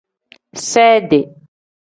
Sedi.